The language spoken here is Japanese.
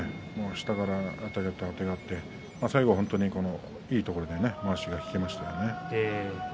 下からあてがって、あてがって最後、本当にいいところでまわしが引けましたね。